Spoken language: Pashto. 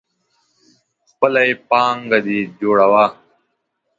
خپله ويي پانګه دي جوړوه.